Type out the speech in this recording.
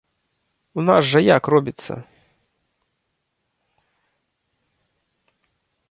У нас жа як робіцца?